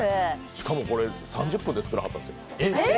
しかもこれ３０分で作らはったんですよ。